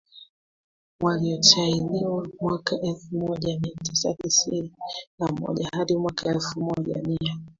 waliotahiniwa mwaka elfu moja mia tisa tisini na moja hadi mwaka elfu moja mia